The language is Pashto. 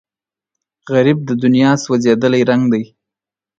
غریب د دنیا سوځېدلی رنګ دی